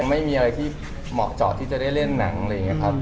แล้วไม่มีอะไรที่เหมาะจะได้เล่นหม่อจ่อเลย